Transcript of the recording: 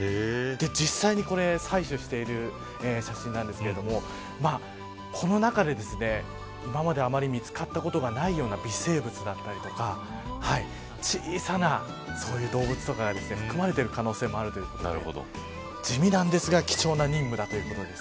実際に採取している写真なんですけれどもこの中で今まであまり見つかったことがないような微生物だったりとか小さなそういう動物とかが含まれている可能性もあるということで地味なんですが貴重な任務だということです。